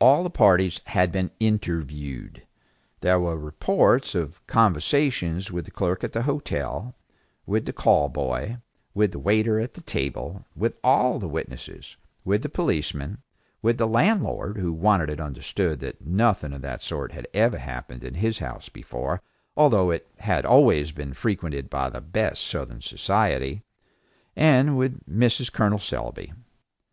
All the parties had been "interviewed." There were reports of conversations with the clerk at the hotel; with the call boy; with the waiter at table with all the witnesses, with the policeman, with the landlord (who wanted it understood that nothing of that sort had ever happened in his house before, although it had always been frequented by the best Southern society,) and with Mrs. Col. Selby.